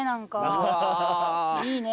いいね。